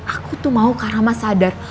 aku tuh mau kak rama sadar